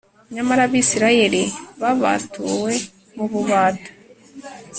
Nyamara Abisirayeli babatuwe mu bubata